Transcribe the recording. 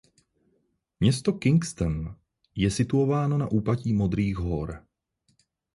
Město Kingston je situováno na úpatí Modrých hor.